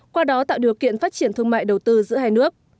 qua đó tạo điều kiện phát triển thương mại đầu tư giữa hai nước